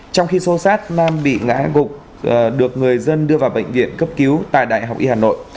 trong khi sâu sát nam bị ngã gục được người dân đưa vào bệnh viện cấp cứu tại đại học y hà nội